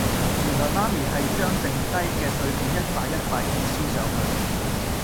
原來媽咪係將剩低嘅碎片一塊一塊咁黐上去